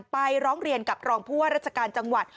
ร้องเรียนกับรองผู้ว่าราชการจังหวัด